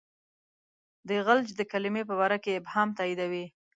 د خلج د کلمې په باره کې ابهام تاییدوي.